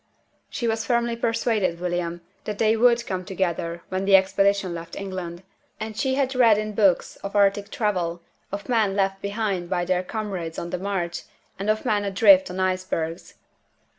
"She was firmly persuaded, William, that they would come together when the Expedition left England. And she had read in books of Arctic travel, of men left behind by their comrades on the march, and of men adrift on ice bergs.